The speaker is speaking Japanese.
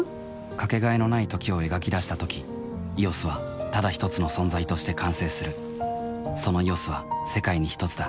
かけがえのない「時」を描き出したとき「ＥＯＳ」はただひとつの存在として完成するその「ＥＯＳ」は世界にひとつだ